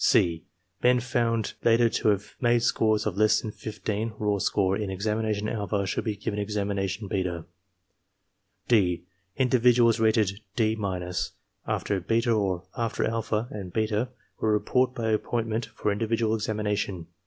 (c) Men found later to have made scores of less than 15 (raw score) in examination alpha should be given examination beta. (d) Individuals rated D — after beta or after alpha and beta will report by appointment for individual examination.